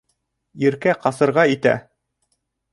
Иркә ҡасырға итә.